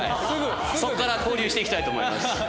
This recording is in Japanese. そこから交流していきたいと思います。